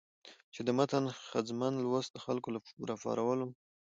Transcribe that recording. چې د متن ښځمن لوست د خلکو له راپارولو